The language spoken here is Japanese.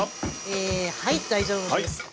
えはい大丈夫です。